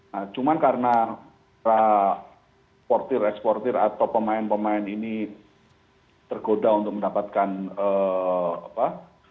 nah cuma karena para supporter eksportir atau pemain pemain ini tergoda untuk mendapatkan apa